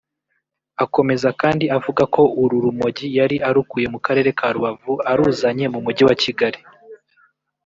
Akomeza kandi avuga ko uru rumogi yari arukuye mu Karere ka Rubavu aruzanye mu Mugi wa Kigali